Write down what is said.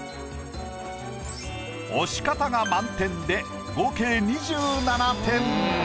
押し方が満点で合計２７点。